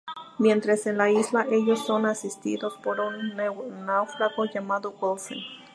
Mientras en la isla, ellos son asistidos por un náufrago llamado Wilson.